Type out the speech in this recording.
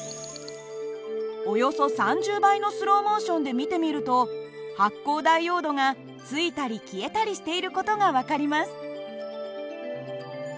およそ３０倍のスローモーションで見てみると発光ダイオードがついたり消えたりしている事が分かります。